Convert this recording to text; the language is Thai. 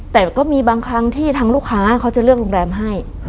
แต่ก็มีบางครั้งที่ทางลูกค้าเขาจะเลือกโรงแรมให้